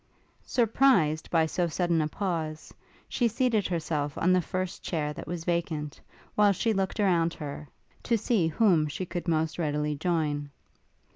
Surprized by so sudden a pause, she seated herself on the first chair that was vacant, while she looked around her, to see whom she could most readily join.